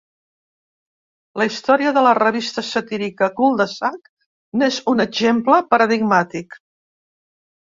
La història de la revista satírica "Cul de Sac" n'és un exemple paradigmàtic.